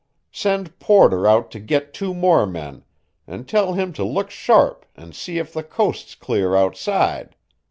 Send Porter out to git two more men, and tell him to look sharp and see if the coast's clear outside.